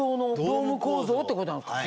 ドーム構造ってことなんですか？